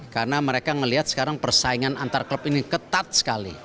karena mereka melihat sekarang persaingan antar klub ini ketat sekali